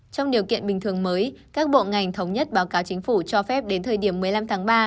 trong điều kiện bình thường mới các bộ ngành thống nhất báo cáo chính phủ cho phép đến thời điểm một mươi năm tháng ba